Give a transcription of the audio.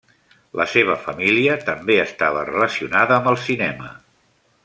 La seva família també estava relacionada amb el cinema.